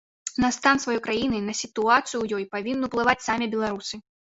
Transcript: На стан сваёй краіны, на сітуацыю ў ёй павінны ўплываць самі беларусы.